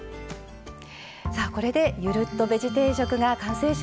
さあこれで「ゆるっとベジ定食」が完成しましたね。